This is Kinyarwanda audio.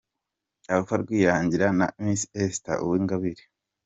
Alpha Rwirangira na Miss Esther Uwingabire.